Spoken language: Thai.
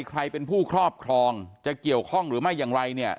ใครเป็นผู้ครอบครองจะเกี่ยวข้องหรือไม่อย่างไรเนี่ย